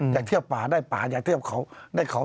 อยากเที่ยวป่าได้ป่าอยากเที่ยวเขาได้เขา